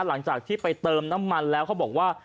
หลังจากที่ไปเติมน้ำมันแล้วเขาบอกว่า